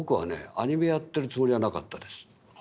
アニメやってるつもりはなかったです。